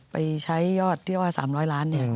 ไปใช้ยอดที่ว่า๓๐๐ล้าน